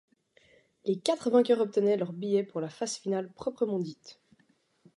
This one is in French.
Les quatre vainqueurs obtenaient leurs billets pour la phase finale proprement dite.